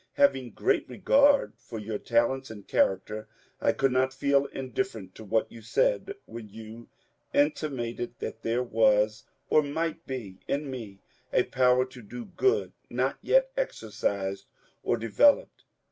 Having great re gard for your talents and character, I could not feel indifferent to what you said when you intimated that there was or might be in me a power to do good not yet exercised or developed.